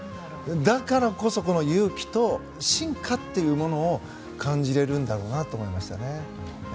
だからこそこの勇気と進化というものを感じれるんだろうなと思いましたね。